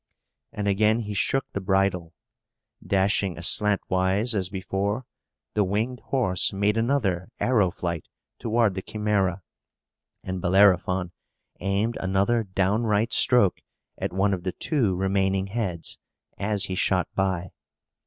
And again he shook the bridle. Dashing aslantwise, as before, the winged horse made another arrow flight toward the Chimæra, and Bellerophon aimed another downright stroke at one of the two remaining heads, as he shot by.